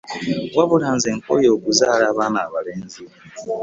Wabula nze nkooye okuzaala abaana abalenzi.